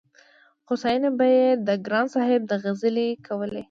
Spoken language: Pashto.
خو ستاينې به يې د ګران صاحب د غزل کولې-